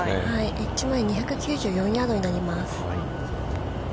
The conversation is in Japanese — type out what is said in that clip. ◆エッジまで２９４ヤードになります。